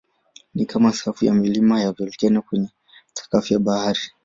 Ni kama safu ya milima ya volkeno kwenye sakafu ya bahari.